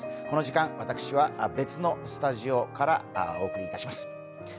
この時間、私は別のスタジオからお送りいたします。